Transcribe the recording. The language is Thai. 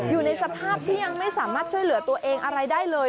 อยู่ในสภาพที่ยังไม่สามารถช่วยเหลือตัวเองอะไรได้เลย